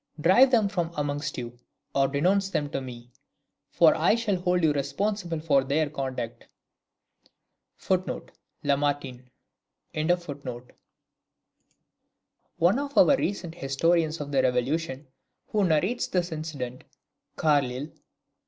Drive them from amongst you, or denounce them to me, for I shall hold you responsible for their conduct." [Lamartine.] One of our recent historians of the Revolution, who narrates this incident, [Carlyle.